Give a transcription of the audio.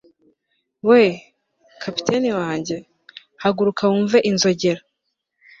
we! kapiteni wanjye! haguruka wumve inzogera